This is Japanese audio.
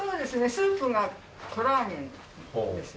スープがコラーゲンですね。